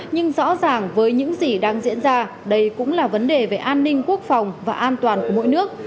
nhưng rõ ràng với những gì đang diễn ra đây cũng là vấn đề về an ninh quốc phòng và an toàn của mỗi nước